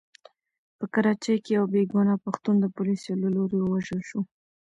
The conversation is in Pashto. په کراچۍ کې يو بې ګناه پښتون د پوليسو له لوري ووژل شو.